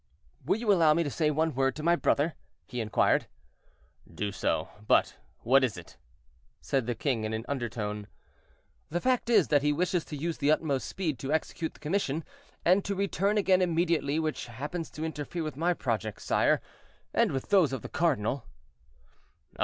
"Will you allow me to say one word to my brother?" he inquired. "Do so; but what is it?" said the king in an undertone. "The fact is, that he wishes to use the utmost speed to execute the commission, and to return again immediately, which happens to interfere with my projects, sire, and with those of the cardinal."